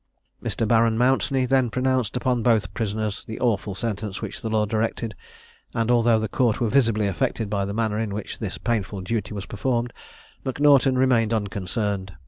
Mr. Baron Mountney then pronounced upon both prisoners the awful sentence which the law directed; and although the Court were visibly affected by the manner in which this painful duty was performed, M'Naughton remained unconcerned.